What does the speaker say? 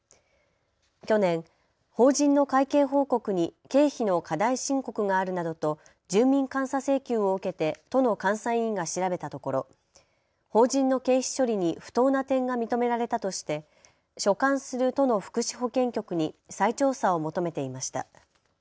去年、法人の会計報告に経費の過大申告があるなどと住民監査請求を受けて都の監査委員が調べたところ法人の経費処理に不当な点が認められたとして所管する都の福祉保健局に再調査を求めていました。